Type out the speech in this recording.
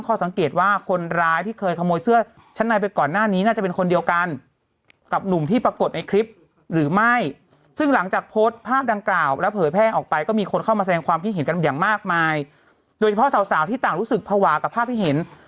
ก้อนเนี่ยคือไม่ได้จ่ายทีเดียวนะก็ค่อยจ่ายทีละก้อนทีละก้อน